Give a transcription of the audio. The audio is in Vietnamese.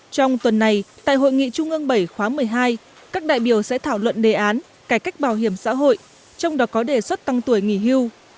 trong tuần này tại hội nghị trung ương bảy khóa một mươi hai các đại biểu sẽ thảo luận đề án cải cách bảo hiểm xã hội trong đó có đề xuất tăng tuổi nghỉ hưu